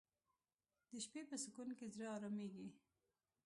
د شپې په سکون کې زړه آرامیږي